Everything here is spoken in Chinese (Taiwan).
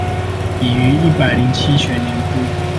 已於一百零七學年度